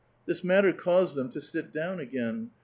. This matter caused them to sit down again.